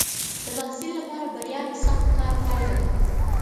د محصل لپاره بریا د سخت کار پایله ده.